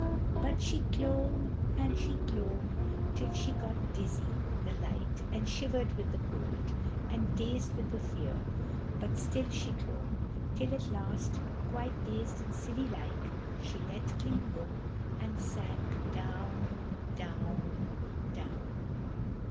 But she clomb and she clomb, till she got dizzy in the light and shivered with the cold, and dazed with the fear; but still she clomb, till at last, quite dazed and silly like, she let clean go, and sank down down down.